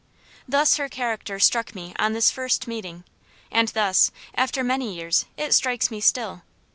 Thus her character struck me on this first meeting, and thus, after many years, it strikes me still.